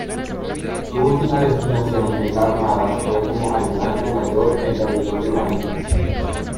Su última destinación en la Armada fue como ayudante mayor del territorio marítimo.